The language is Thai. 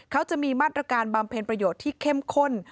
เขาจะมีมาตรการบำเพ็ญประโยชน์ที่เข้มข้น